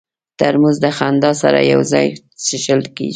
ترموز د خندا سره یو ځای څښل کېږي.